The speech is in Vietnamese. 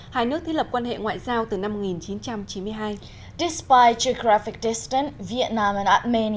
hai nước thi lập quan hệ ngoại giao từ năm một nghìn chín trăm chín mươi hai